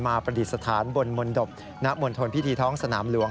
ประดิษฐานบนมนตบณมณฑลพิธีท้องสนามหลวง